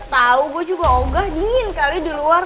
tahu gue juga ogah dingin kali di luar